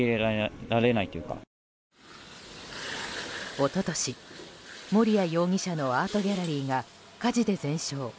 一昨年、盛哉容疑者のアートギャラリーが火事で全焼。